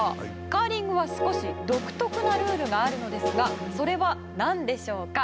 カーリングは少し独特なルールがあるのですがそれはなんでしょうか？